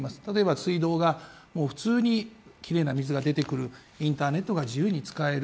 水道が普通にきれいな水が出てくる、インターネットが自由に使える。